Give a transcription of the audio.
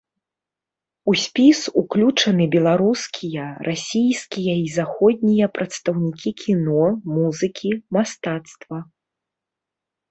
У спіс уключаны беларускія, расійскія і заходнія прадстаўнікі кіно, музыкі, мастацтва.